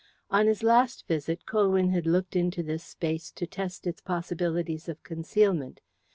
On his last visit Colwyn had looked into this space to test its possibilities of concealment.